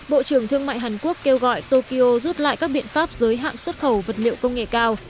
bộ trưởng thương mại hàn quốc kêu gọi tokyo rút lại các biện pháp giới hạn xuất khẩu vật liệu công nghệ cao